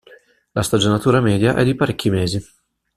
La stagionatura media è di parecchi mesi.